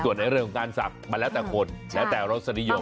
ส่วนในเรื่องของการศักดิ์มันแล้วแต่คนแล้วแต่รสนิยม